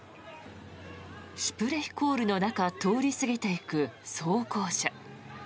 シュプレヒコールの中通り過ぎていく装甲車。